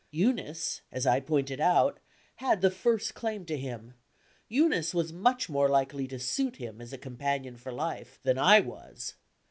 Eunice, as I pointed out, had the first claim to him; Eunice was much more likely to suit him, as a companion for life, than I was.